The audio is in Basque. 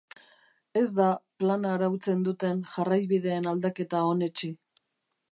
Ez da plana arautzen duten jarraibideen aldaketa onetsi.